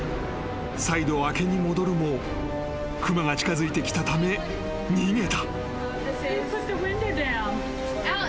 ［再度開けに戻るも熊が近づいてきたため逃げた］